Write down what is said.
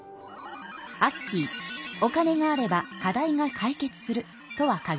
アッキーお金があれば課題が解決するとは限りません。